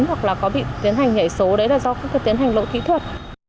hoặc có bị tiến hành nhảy số đấy là do các tiến hành lộ kỹ thuật